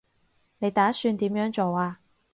你打算點樣做啊